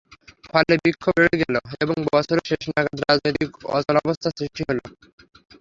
ফলে বিক্ষোভ বেড়ে গেল এবং বছরের শেষ নাগাদ রাজনৈতিক অচলাবস্থা সৃষ্টি হলো।